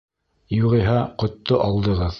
Юғиһә, ҡотто алдығыҙ.